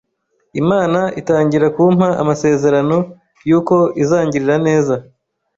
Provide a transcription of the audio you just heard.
Imana itangira kumpa amasezerano y’uko izangirira neza